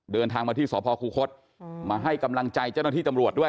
เดินทางมาที่สพคูคศมาให้กำลังใจเจ้าหน้าที่ตำรวจด้วย